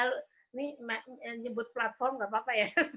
ini menyebut platform enggak apa apa ya